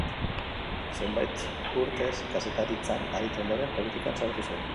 Zenbait urtez kazetaritzan aritu ondoren, politikan sartu zen.